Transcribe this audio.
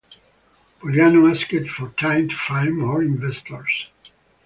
Puliano asked for time to find more investors.